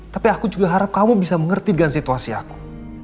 tapi aku juga harap kamu bisa mengerti dengan situasi aku